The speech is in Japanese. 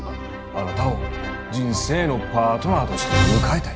あなたを人生のパートナーとして迎えたい。